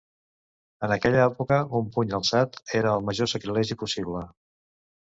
En aquella època un puny alçat era el major sacrilegi possible.